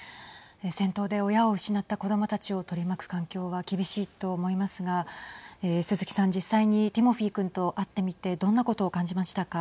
戦闘で親を失った子どもたちを取り巻く環境は厳しいと思いますが鈴木さん、実際にティモフィ君と会ってみてどんなことを感じましたか。